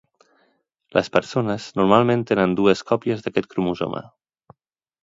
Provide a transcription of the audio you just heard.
Les persones normalment tenen dues còpies d'aquest cromosoma.